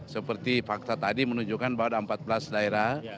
seperti fakta tadi menunjukkan bahwa ada empat belas daerah